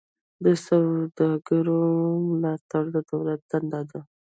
د سوداګرو ملاتړ د دولت دنده ده